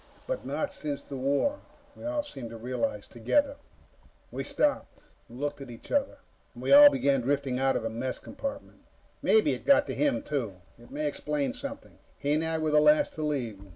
But not since the war, we all seemed to realize together. We stopped, and looked at each other, and we all began drifting out of the mess compartment. And maybe it got to him, too. It may explain something. He and I were the last to leave.